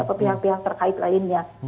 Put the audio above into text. atau pihak pihak terkait lainnya